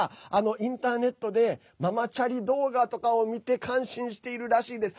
インターネットでママチャリ動画とかを見て感心しているらしいです。